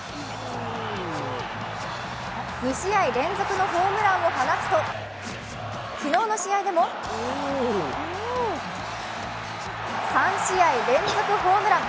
２試合連続のホームランを放つと昨日の試合でも３試合連続ホームラン。